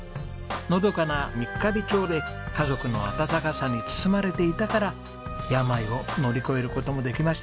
のどかな三ヶ日町で家族の温かさに包まれていたから病を乗り越える事もできました。